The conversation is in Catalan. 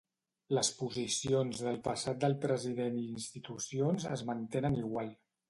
Les posicions del passat del president i institucions es mantenen igual.